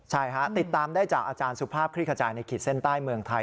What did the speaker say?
ใช่ฮะติดตามได้จากอาจารย์สุภาพคลิกขจายในขีดเส้นใต้เมืองไทย